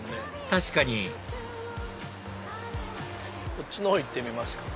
確かにこっちの方行ってみますかね。